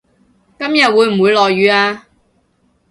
今日會唔會落雨呀